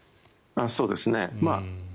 そうですね。